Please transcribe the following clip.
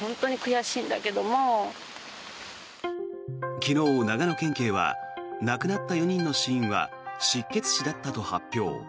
昨日、長野県警は亡くなった４人の死因は失血死だったと発表。